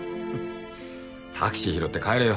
タクシー拾って帰れよ。